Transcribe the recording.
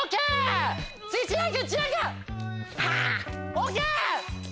ＯＫ！